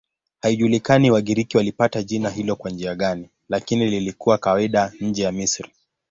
Haijulikani Wagiriki walipata jina hilo kwa njia gani, lakini lilikuwa kawaida nje ya Misri.